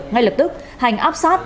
ngay lập tức hành áp sát